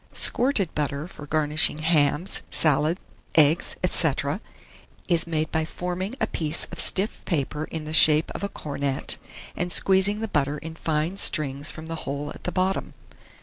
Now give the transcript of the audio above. Squirted butter for garnishing hams, salads, eggs, &c., is made by forming a piece of stiff paper in the shape of a cornet, and squeezing the butter in fine strings from the hole at the bottom.